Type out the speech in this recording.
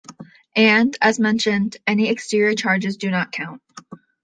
And, as mentioned, any exterior charges do not count.